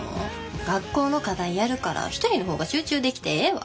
学校の課題やるから１人の方が集中できてええわ。